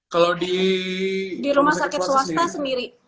kalau di rumah sakit swasta sendiri